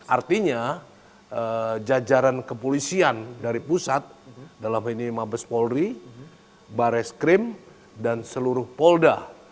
artinya jajaran kepolisian dari pusat dalam ini mabes polri baris kim dan seluruh polda